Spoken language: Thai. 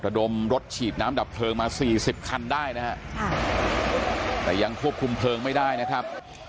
ดมรถฉีดน้ำดับเพลิงมาสี่สิบคันได้นะฮะค่ะแต่ยังควบคุมเพลิงไม่ได้นะครับ